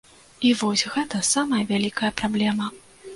І вось гэта самая вялікая праблема.